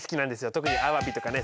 特にアワビとかね